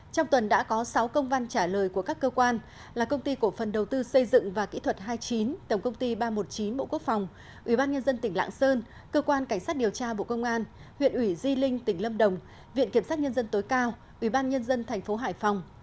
trong tuần đã có sáu công văn trả lời của các cơ quan là công ty cổ phần đầu tư xây dựng và kỹ thuật hai mươi chín tổng công ty ba trăm một mươi chín bộ quốc phòng ubnd tỉnh lạng sơn cơ quan cảnh sát điều tra bộ công an huyện ủy di linh tỉnh lâm đồng viện kiểm sát nhân dân tối cao ubnd tp hải phòng